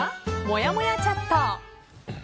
もやもやチャット。